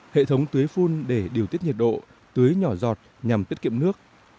hệ thống tuế phun để điều tiết nhiệt độ tuế nhỏ giọt nhằm tiết kiệm nước